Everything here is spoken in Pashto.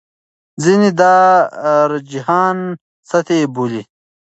ځینې دا رجحان سطحي بولي.